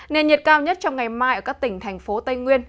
nền nhiệt cao nhất trong ngày mai ở các tỉnh thành phố tây nguyên